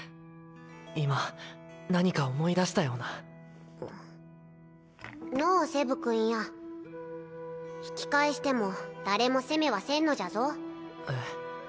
今何か思い出したようなのうセブ君や引き返しても誰も責めはせんのじゃぞえっ